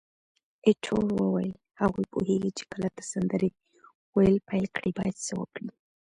ایټور وویل: هغوی پوهیږي چې کله ته سندرې ویل پیل کړې باید څه وکړي.